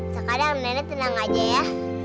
sekarang nenek tenang aja ya